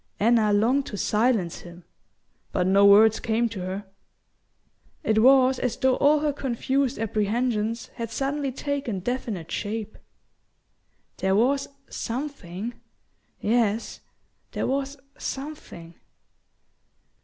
Anna longed to silence him, but no words came to her. It was as though all her confused apprehensions had suddenly taken definite shape. There was "something" yes, there was "something"...